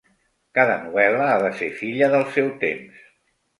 Cada novel·la ha de ser filla del seu temps!